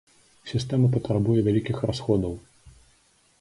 Сістэма патрабуе вялікіх расходаў.